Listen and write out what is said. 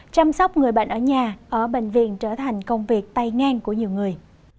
chăm sóc người bệnh ở nhà ở bệnh viện trở thành công việc tay ngang của nhiều người